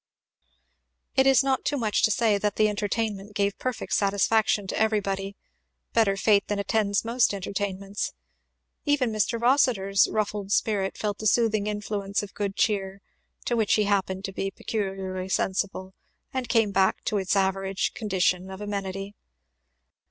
It is not too much to say that the entertainment gave perfect satisfaction to everybody better fate than attends most entertainments. Even Mr. Rossitur's ruffled spirit felt the soothing influence of good cheer, to which he happened to be peculiarly sensible, and came back to its average condition of amenity.